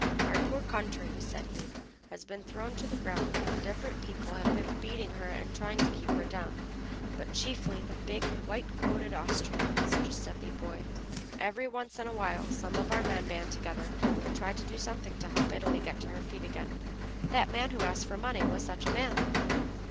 "Our poor country," said he, "has been thrown to the ground, and different people have been beating her and trying to keep her down, but chiefly the big, white coated Austrians, Giuseppe boy. Every once in a while some of our men band together and try to do something to help Italy get to her feet again. That man who asked for money was such a man."